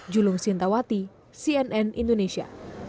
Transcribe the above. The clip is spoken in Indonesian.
julung sintawati cnn indonesia